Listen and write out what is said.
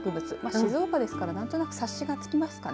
静岡ですから何となく察しがつきますかね。